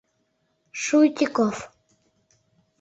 Шутиков.